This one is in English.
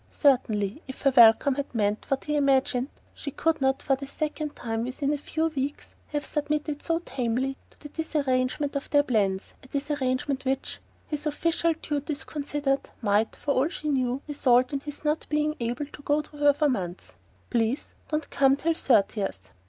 Certainly, if her welcome had meant what he imagined, she could not, for the second time within a few weeks, have submitted so tamely to the disarrangement of their plans; a disarrangement which his official duties considered might, for all she knew, result in his not being able to go to her for months. "Please don't come till thirtieth."